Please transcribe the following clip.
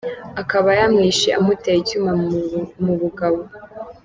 Akaba yamwishe amuteye icyuma mu bugabo.